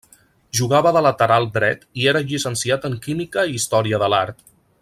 Jugava de lateral dret i era llicenciat en Química i Història de l'Art.